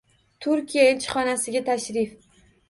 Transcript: Turkiya elchixonasiga tashrif